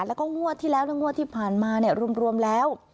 แล้วก็งวดที่แล้วและงวดที่ผ่านมารวมแล้ว